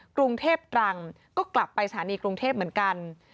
กรุงเทพตรังก็กลับไปสถานีกรุงเทพเหมือนกัน